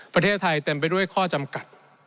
ประเทศไทยเต็มไปด้วยข้อจำกัด